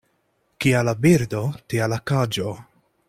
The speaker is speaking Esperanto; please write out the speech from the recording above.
Kia la birdo, tia la kaĝo.